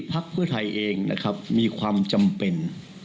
พักเพื่อไทยเองนะครับมีความจำเป็น